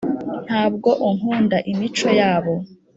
ntabwo unkunda imico yabo